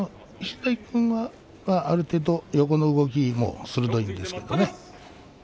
石崎君はある程度横の動きも鋭いですね。